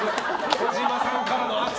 児嶋さんからの圧。